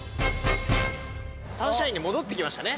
サンシャインに戻ってきましたね。